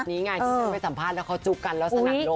นี่ไงไปสัมภาษณ์แล้วเขาจูบกันแล้วสนับโลกกัน